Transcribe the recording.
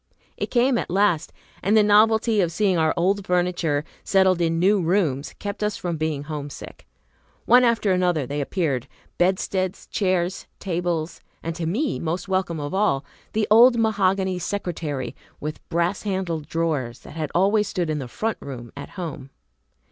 It came at last; and the novelty of seeing our old furniture settled in new rooms kept us from being homesick. One after another they appeared, bedsteads, chairs, tables, and, to me most welcome of all, the old mahogany secretary with brass handled drawers, that had always stood in the "front room" at home.